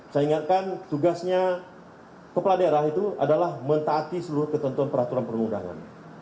saya ingatkan tugasnya kepala daerah itu adalah mentaati seluruh ketentuan peraturan perundangan